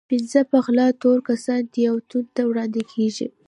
پنځه په غلا تورن کسان نياوتون ته وړاندې کېږي.